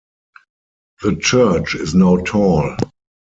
The church is now tall.